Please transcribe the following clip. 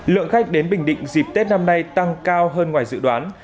lượng khách đến bình định dịp tết năm nay tăng cao hơn ngoài dự đoán